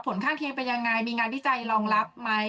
ผลข้างเคียงเป็นยังไงมีงานวิจัยรองรับไหม